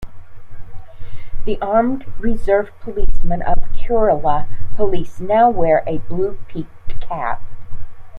The Armed Reserve policemen of Kerala Police now wear a blue peaked cap.